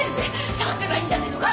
捜せばいいんじゃねえのか？